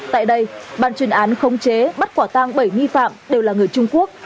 tại đây bàn chuyên án khống chế bắt quả tang bảy nghi phạm đều là người trung quốc